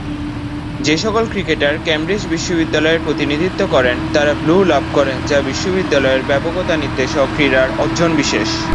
যে সকল cricketer Cambridge বিশ্ববিদ্যালয়ের প্রতিনিধিত্ব করেন তাঁরা ব্লু লাভ করেন যা বিশ্ববিদ্যালয়ের ব্যাপকতা নির্দেশক ক্রীড়ার অর্জনবিশেষ।